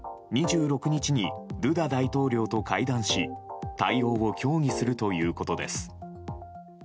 ２６日にドゥダ大統領と会談し対応を協議するということです。